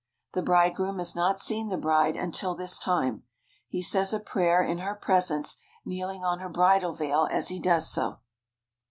The bridegroom has not seen the bride until this time. He says a prayer in her presence, kneeling on her bridal veil as he does so.